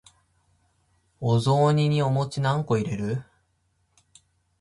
お雑煮にお餅何個入れる？